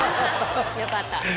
よかった。